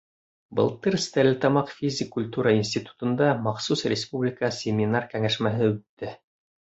Былтыр Стәрлетамаҡ физик культура институтында махсус республика семинар-кәңәшмәһе үтте.